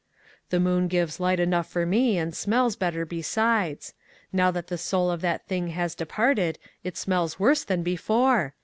" The moon gives light enough for me, and smells better besides ; now that the soul of that thing has departed it smells worse than before.